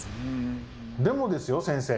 でもですよ先生。